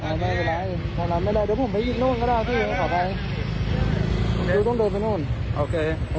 ยกเลิกยกเลิกยกเลิก